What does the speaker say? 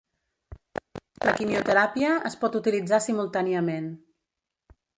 La quimioteràpia es pot utilitzar simultàniament.